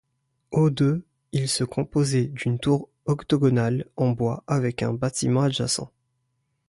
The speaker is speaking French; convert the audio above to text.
Haut de il se composait d'une tour octogonale en bois avec un bâtiment adjacent.